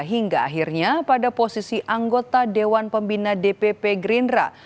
hingga akhirnya pada posisi anggota dewan pembina dpp gerindra